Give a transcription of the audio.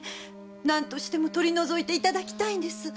何としても取り除いていただきたいんです！